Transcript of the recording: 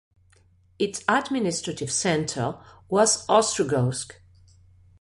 Its administrative centre was Ostrogozhsk.